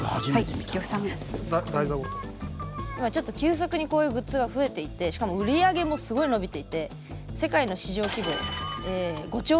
今ちょっと急速にこういうグッズが増えていてしかも売り上げもすごい伸びていて世界の市場規模え５兆円を超えていると。